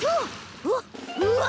うわっうわ！